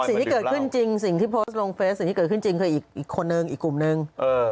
สิ่งที่ถูกจากพศภ์สิ่งที่เกิดขึ้นจริงคืออีกคนหนึ่งอีกกลุ่มหนึ่ง